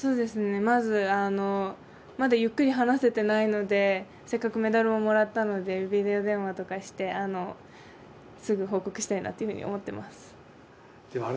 まず、まだゆっくり話せてないのでせっかくメダルをもらったのでビデオ電話とかして、すぐ報告したいと思っています。